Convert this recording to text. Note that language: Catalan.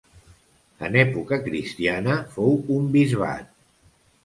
En època cristiana fou un bisbat.